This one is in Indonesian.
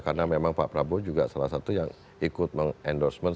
karena memang pak prabowo juga salah satu yang ikut endorsement